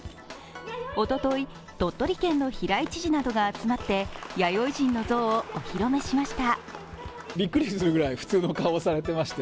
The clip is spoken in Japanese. おととい、鳥取県の平井知事などが集まって弥生人の像をお披露目しました。